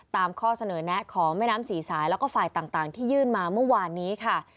ข้อเสนอแนะของแม่น้ำศรีสายแล้วก็ฝ่ายต่างที่ยื่นมาเมื่อวานนี้ค่ะ